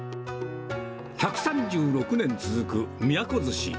１３６年続く都寿司。